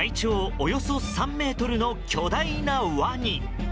およそ３ｍの巨大なワニ。